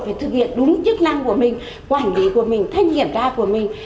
phải thực hiện đúng chức năng của mình quản lý của mình thách nghiệm ra của mình